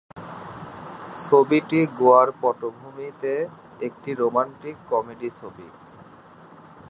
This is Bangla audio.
ছবিটি গোয়ার পটভূমিতে, একটি রোমান্টিক কমেডি ছবি।